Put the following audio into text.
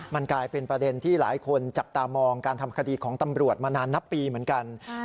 มันกลายเป็นประเด็นที่หลายคนจับตามองการทำคดีของตำรวจมานานนับปีเหมือนกัน